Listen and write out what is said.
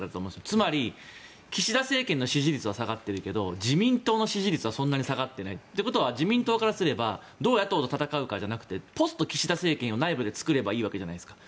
つまり、岸田政権の支持率は下がっているけど自民党の支持率はそんなに下がってないということは自民党からすればどう野党と戦うかじゃなくてポスト岸田政権を内部で作ればいいわけじゃないですか。